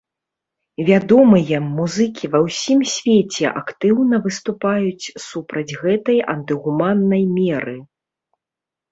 Вядомыя музыкі ва ўсім свеце актыўна выступаюць супраць гэтай антыгуманнай меры.